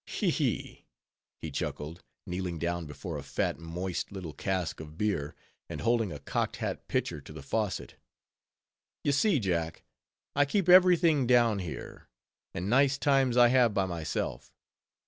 "He, he," he chuckled, kneeling down before a fat, moist, little cask of beer, and holding a cocked hat pitcher to the faucet—"You see, Jack, I keep every thing down here; and nice times I have by myself.